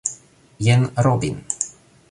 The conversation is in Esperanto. Jen Robin